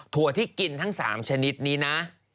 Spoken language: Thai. ถั่วที่กินทั้ง๓ชนิดนี้นะ